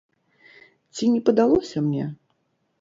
Ці не падалося мне?